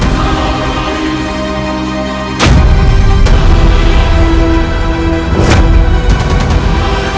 se crack terjadi